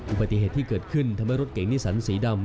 อุบัติเหตุที่เกิดขึ้นทำให้รถเก่งนิสันสีดำ